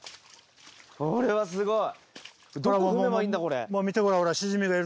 これはすごい。